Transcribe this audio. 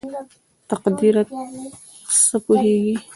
تقديره ته پوهېږې??